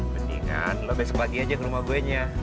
mendingan lo besok pagi aja ke rumah gue nya